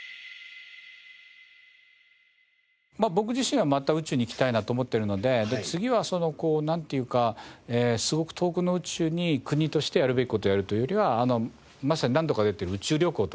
僕自身はまた宇宙に行きたいなと思っているので次はなんていうかすごく遠くの宇宙に国としてやるべき事をやるというよりはまさに何度か出てる宇宙旅行とかね